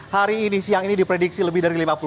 hari ini siang ini diprediksi lebih dari lima puluh